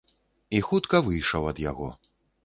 І хутка выйшаў ад яго.